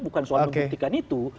bukan soal membuktikan itu